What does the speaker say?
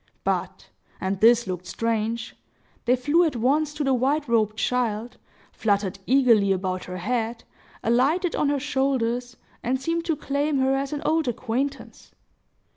But—and this looked strange—they flew at once to the white robed child, fluttered eagerly about her head, alighted on her shoulders, and seemed to claim her as an old acquaintance.